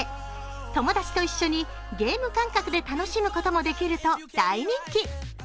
友達と一緒にゲーム感覚で楽しむこともできると大人気。